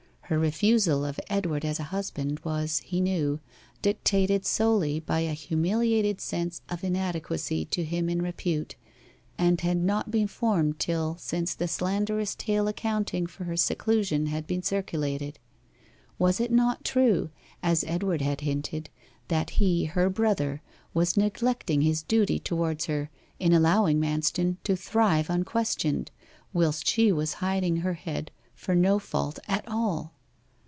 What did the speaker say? Her refusal of Edward as a husband was, he knew, dictated solely by a humiliated sense of inadequacy to him in repute, and had not been formed till since the slanderous tale accounting for her seclusion had been circulated. Was it not true, as Edward had hinted, that he, her brother, was neglecting his duty towards her in allowing Manston to thrive unquestioned, whilst she was hiding her head for no fault at all?